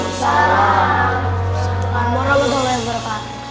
assalamualaikum warahmatullahi wabarakatuh